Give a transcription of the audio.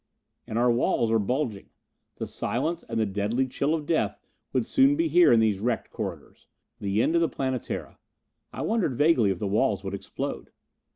And our walls were bulging. The silence and the deadly chill of death would soon be here in these wrecked corridors. The end of the Planetara. I wondered vaguely if the walls would explode.